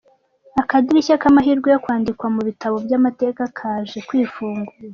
Akadirisha k’amahirwe yo kwandikwa mu bitabo by’amateka kaje kwifungura.